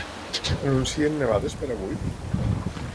Anuncien nevades per avui?